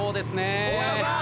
太田さん！